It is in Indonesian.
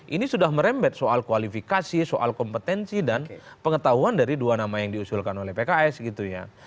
ini sudah merembet soal kualifikasi soal kompetensi dan pengetahuan dari dua nama yang diusulkan oleh pks gitu ya